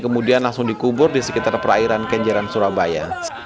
kemudian langsung dikubur di sekitar perairan kenjeran surabaya